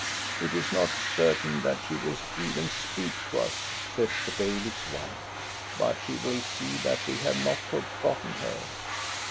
" It is not certain that she will even speak to us," says the bailiff's wife. "But she will see that we have not forgotten her."